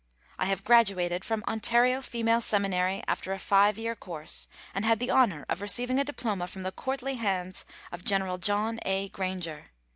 I have graduated from Ontario Female Seminary after a five years course and had the honor of receiving a diploma from the courtly hands of General John A. Granger.